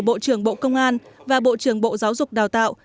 bộ trưởng bộ công an và bộ trưởng bộ giáo dục đào tạo